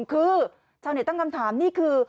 คือชาวเน็ตตั้งคำถามนี่คือ